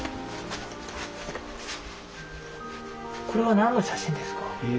これは何の写真ですか？